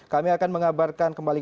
kami akan mengabarkan kembali